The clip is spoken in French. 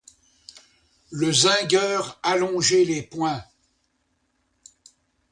Le zingueur allongeait les poings.